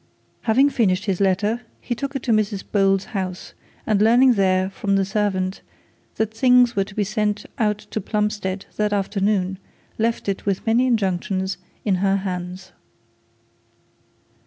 We will now follow his letter. He took it to Mrs Bold's house, and learning there, from the servant, that things were to be sent out to Plumstead that afternoon, left it, with many injunctions, in her hands.